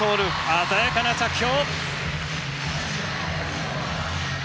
鮮やかな着氷！